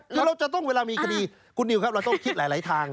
คือเราจะต้องเวลามีคดีคุณนิวครับเราต้องคิดหลายทาง